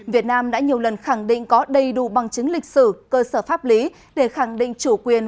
việt nam đã nhiều lần khẳng định có đầy đủ bằng chứng lịch sử cơ sở pháp lý để khẳng định chủ quyền